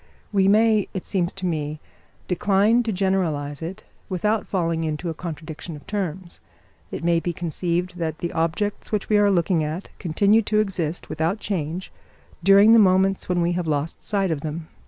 We may, it seems to me, decline to generalise it without falling into a contradiction in terms. It may be conceived that the objects which we are looking at continue to exist, without change, during the moments when we have lost sight of them.